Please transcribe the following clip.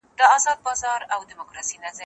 قلمان پاک کړه